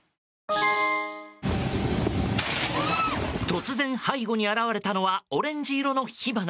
突然、背後に現れたのはオレンジ色の火花。